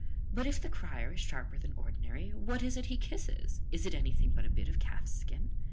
but if the crier is sharper than ordinary, what is it he kisses? is it anything but a bit of calf's skin?